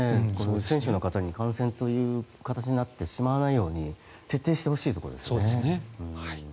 選手の方に感染という形になってしまわないように徹底してほしいところですね。